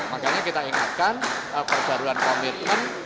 makanya kita ingatkan perbaruan komitmen